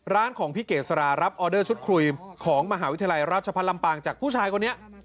ของพี่เกษรารับออเดอร์ชุดคุยของมหาวิทยาลัยราชพัฒนลำปางจากผู้ชายคนนี้